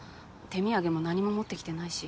手土産も何も持ってきてないし。